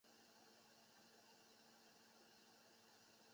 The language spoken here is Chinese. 本科鱼类以其头部下方有一对触须为最明显之特征之一。